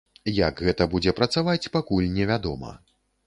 Як гэта будзе працаваць, пакуль невядома.